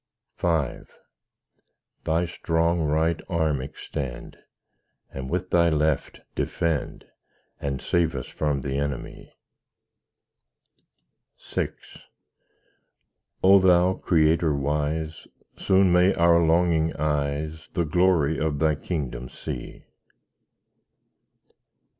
V Thy strong right arm extend, And with Thy left defend, And save us from the enemy. VI O Thou Creator wise, Soon may our longing eyes The glory of Thy kingdom see.